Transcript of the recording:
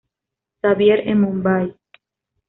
Xavier" en Mumbai.